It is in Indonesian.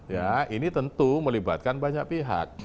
ya ini tentu melibatkan banyak pihak